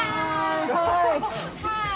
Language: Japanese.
すごい。